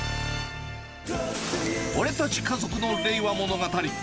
俺たち家族の令和物語。